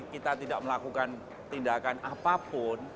kita tidak melakukan tindakan apapun